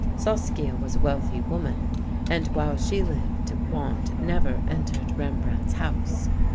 Saskia was a wealthy woman, and while she lived want never entered Rembrandt's house.